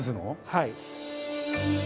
はい。